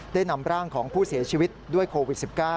ได้นำร่างของผู้เสียชีวิตด้วยโควิด๑๙